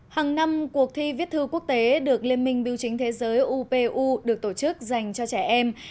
hàng năm cuộc thi viết thư quốc tế được liên minh biểu chính thế giới upu được tổ chức dành cho trẻ em